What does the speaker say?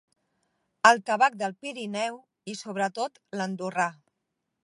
El tabac del Pirineu, i sobretot l'andorrà.